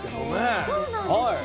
そうなんですよ。